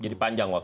jadi panjang waktu